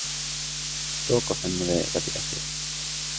توقف عن مضايقة أخيك!